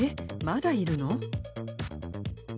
まだいるの？